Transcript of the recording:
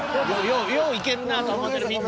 よういけるなと思てるみんな。